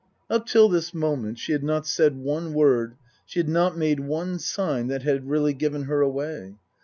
Up till this moment she had not said one word, she had not made one sign, that had really given her away.